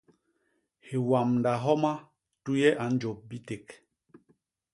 Hiwamda homa tuye a njôp biték.